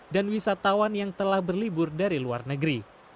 dan wisatawan yang telah berlibur dari luar negeri